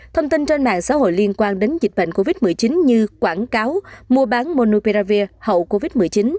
thông tin trên mạng xã hội liên quan đến dịch bệnh covid một mươi chín như quảng cáo mua bán monouperavir hậu covid một mươi chín